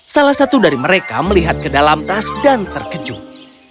salah satu dari mereka melihat ke dalam tas dan terkejut